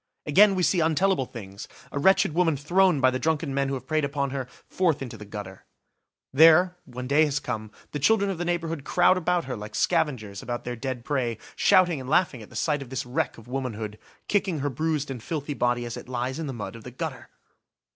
Again, we see untellable things–a wretched woman thrown, by the drunken men who have preyed upon her, forth into the gutter. There, when day has come, the children of the neighbourhood crowd about her like scavengers about their dead prey, shouting and laughing at the sight of this wreck of womanhood, kicking her bruised and filthy body as it lies in the mud of the gutter!